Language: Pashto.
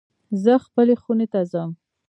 زه خپلی خونی ته ځم